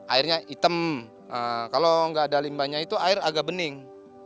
airnya hitam kalau nggak ada limbahnya itu air agak bening